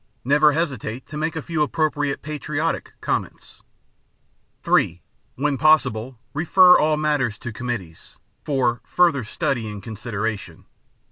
Never hesitate to make a few appropriate "patriotic" comments. (3) When possible, refer all matters to committees, for "further study and consideration."